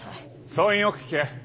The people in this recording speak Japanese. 総員よく聞け！